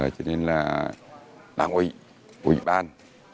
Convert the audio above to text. cho nên là đảng ủy ủy ban